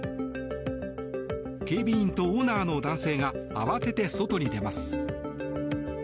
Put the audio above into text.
警備員とオーナーの男性が慌てて外に出ます。